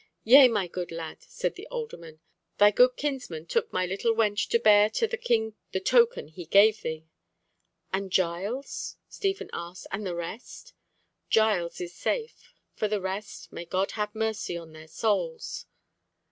"Yea, my good lad," said the alderman. "Thy good kinsman took my little wench to bear to the King the token he gave thee." "And Giles?" Stephen asked, "and the rest?" "Giles is safe. For the rest—may God have mercy on their souls."